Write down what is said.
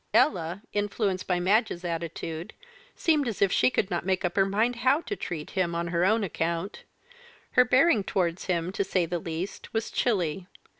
Ella, influenced by Madge's attitude, seemed as if she could not make up her mind how to treat him on her own account; her bearing towards him, to say the least, was chilly.